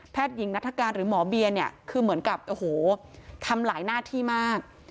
หญิงนัฐกาลหรือหมอเบียเนี่ยคือเหมือนกับโอ้โหทำหลายหน้าที่มาก